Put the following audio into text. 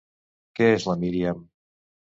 Què és la Miriam?